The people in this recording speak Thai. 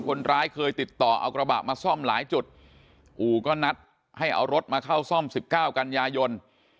คนร้ายเคยติดต่อเอากระบะมาซ่อมหลายจุดอู่ก็นัดให้เอารถมาเข้าซ่อม๑๙กันยายน